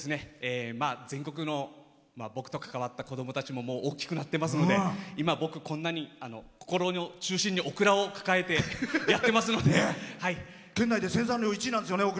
全国の僕と関わった子どもたちももう大きくなってますので今、僕、こんなに心の中心にオクラを抱えて生産量１位なんですよね。